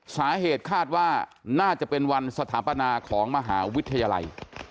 สาเหตุคาดว่าน่าจะเป็นวันสถาปนาของมหาวิทยาลัย